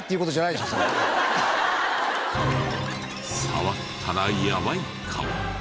触ったらやばいかも！？